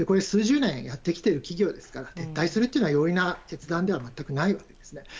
数十年やってきてる企業ですから撤退するというのは容易な決断ではないわけですね。